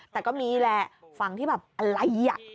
แต่ก็มีแหละฝั่งที่แบบอะไรอ่ะ